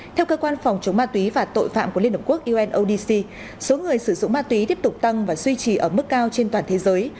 theo cơ quan phòng chống ma túy và tội phạm của liên hợp quốc unodc số người sử dụng ma túy tiếp tục tăng và duy trì ở mức cao trên toàn thế giới